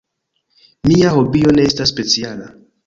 Mia hobio ne estas speciala.